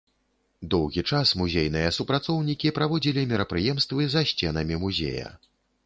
Доўгі час музейныя супрацоўнікі праводзілі мерапрыемствы за сценамі музея.